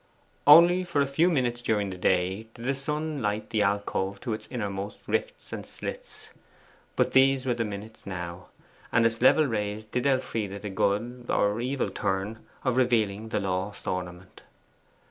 Only for a few minutes during the day did the sun light the alcove to its innermost rifts and slits, but these were the minutes now, and its level rays did Elfride the good or evil turn of revealing the lost ornament.